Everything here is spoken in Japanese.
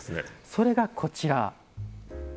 それが、こちら。